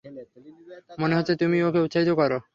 মনে হচ্ছে তুমিই ওকে উৎসাহিত করো?